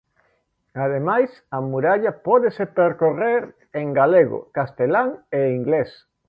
Ademais, a muralla pódese percorrer en galego, castelán e inglés.